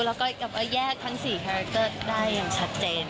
แล้วก็แยกทั้ง๔แฮคเกอร์ได้อย่างชัดเจน